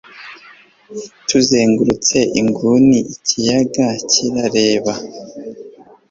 tuzengurutse inguni, ikiyaga kirareba